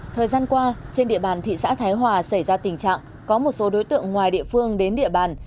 thời gian qua trên địa bàn thị xã thái hòa xảy ra tình trạng có một số đối tượng ngoài địa phương đến địa bàn